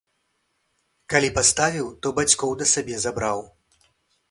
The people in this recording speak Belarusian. Калі паставіў, то бацькоў да сябе забраў.